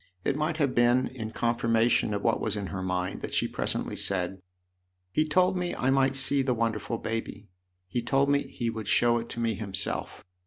It might have been in confirmation of what was in her mind that she presently said :" He told me I might see the wonderful baby. He told me he would show it to me himself."